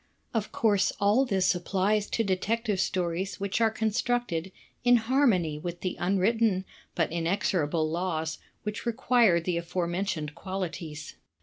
Of course all this applies to Detective Stories which are constructed in harmony with the imwritten but inexorable laws which require the aforementioned qualities.